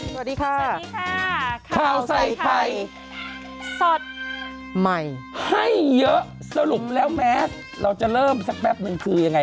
สวัสดีค่ะสวัสดีค่ะข้าวใส่ไข่สดใหม่ให้เยอะสรุปแล้วแมสเราจะเริ่มสักแป๊บนึงคือยังไง